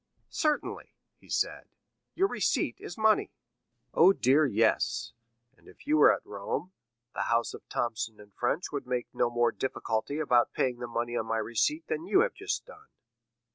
50109m "Certainly," he said, "your receipt is money." "Oh dear, yes; and if you were at Rome, the house of Thomson & French would make no more difficulty about paying the money on my receipt than you have just done."